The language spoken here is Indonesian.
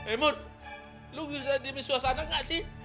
emun lo bisa diemin suasana gak sih